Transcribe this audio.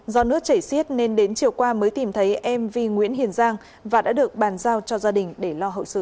do nước chảy xiết nên đến chiều qua mới tìm thấy mv nguyễn hiền giang và đã được bàn giao cho gia đình để lo hậu sự